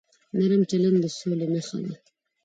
نرم چلند د سولې نښه ده.